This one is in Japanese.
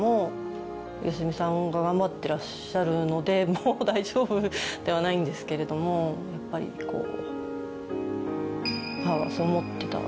「もう大丈夫」ではないんですけれどもやっぱりこう。